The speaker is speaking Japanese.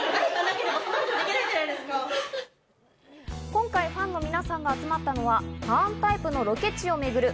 今回ファンの皆さんが集まったのは、『ＴｈａｒｎＴｙｐｅ／ターン×タイプ』のロケ地を巡る